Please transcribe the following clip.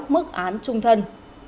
mức án trung thân